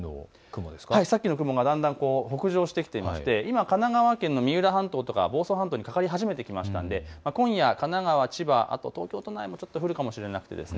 さっきの雲がだんだん北上してきていまして、今、神奈川県の三浦半島や房総半島にかかり始めてきましたので今夜、神奈川、千葉、東京都内も降るかもしれないです。